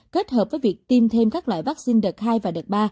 kết hợp với việc tiêm thêm các loại vaccine đợt hai và đợt ba